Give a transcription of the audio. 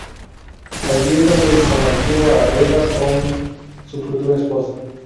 Allí es donde conoció a Eva König, su futura esposa.